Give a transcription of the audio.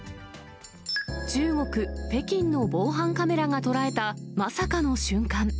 中国・北京の防犯カメラが捉えたまさかの瞬間。